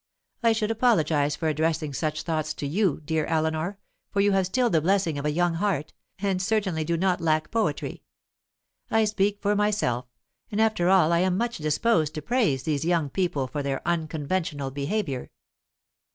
I should apologize for addressing such thoughts to you, dear Eleanor, for you have still the blessing of a young heart, and certainly do not lack poetry. I speak for myself, and after all I am much disposed to praise these young people for their unconventional behaviour.